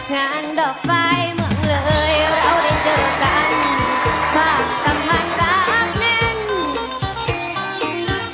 งานดอกไฟเหมือนเลยเราได้เจอกันบางสัมพันธ์ตามนั้น